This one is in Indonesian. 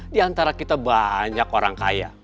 di antara kita banyak orang kaya